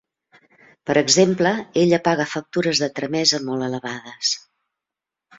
Per exemple, ella paga factures de tramesa molt elevades.